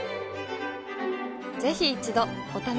ぜひ一度お試しを。